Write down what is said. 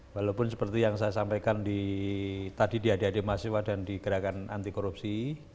walaupun seperti yang saya sampaikan di tadi di adik adik mahasiswa dan di gerakan anti korupsi